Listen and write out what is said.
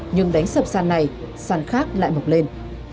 nhưng đánh sập sàn này săn khác lại mọc lên